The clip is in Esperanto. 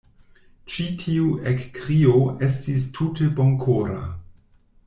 Ĉi tiu ekkrio estis tute bonkora.